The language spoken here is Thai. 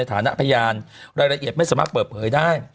ฐานะพยานรายละเอียดไม่สามารถเปิดเผยได้